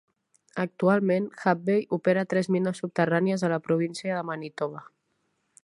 Actualment, Hudbay opera tres mines subterrànies a la província de Manitoba.